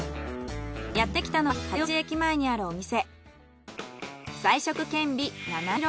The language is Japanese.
やってきたのは八王子駅前にあるお店。